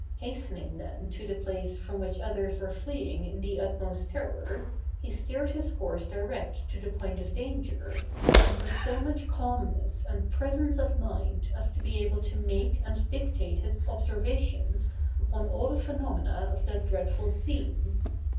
Hastening then to the place from which others were fleeing in the utmost terror, he steered his course direct to the point of danger, and with so much calmness and presence of mind as to be able to make and dictate his observations upon all the phenomena of that dreadful scene.